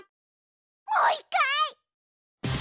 もう１かい！